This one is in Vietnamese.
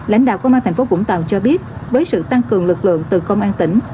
lãnh đạo công an thành phố vũng tàu cho biết với sự tăng cường lực lượng từ công an tỉnh